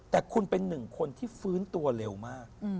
แต่คุณเป็นหนึ่งคนที่ฟื้นตัวเร็วมาก